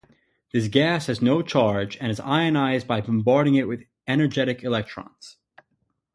This gas has no charge and is ionized by bombarding it with energetic electrons.